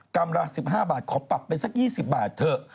ลำละ๑๕บาทขอปรับไปสัก๒๐บาทเถอะ